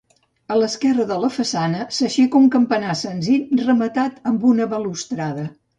A l'esquerra de la façana s'aixeca un campanar senzill rematat amb una balustrada.